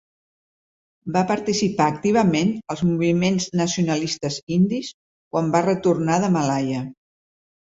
Va participar activament als moviments nacionalistes indis quan va retornar de Malaya.